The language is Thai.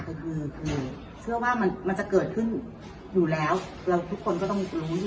ก็คือเชื่อว่ามันมันจะเกิดขึ้นอยู่แล้วแล้วทุกคนก็ต้องรู้